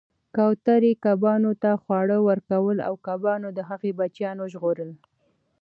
کوترې کبانو ته خواړه ورکول او کبانو د هغې بچیان وژغورل